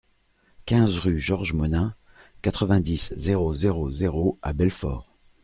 quinze rue Georges Monin, quatre-vingt-dix, zéro zéro zéro à Belfort